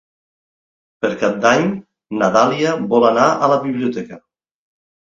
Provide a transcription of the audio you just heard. Per Cap d'Any na Dàlia vol anar a la biblioteca.